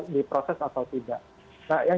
di proses atau tidak nah yang